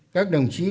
các đồng chí